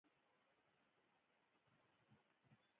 د سمندر په ځینو برخو کې ټاپوګان له اوبو څخه بهر شول.